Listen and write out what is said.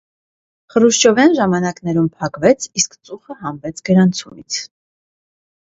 Խրուշչովյան ժամանակներում փակվեց, իսկ ծուխը հանվեց գրանցումից։